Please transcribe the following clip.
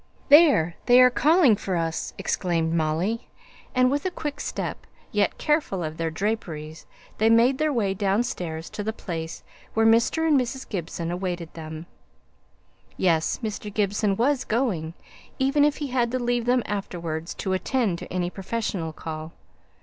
"There! they are calling for us," exclaimed Molly, and with quick step, yet careful of their draperies, they made their way downstairs to the place where Mr. and Mrs. Gibson awaited them. Yes; Mr. Gibson was going, even if he had to leave them afterwards to attend to any professional call.